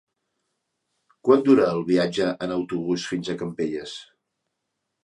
Quant dura el viatge en autobús fins a Campelles?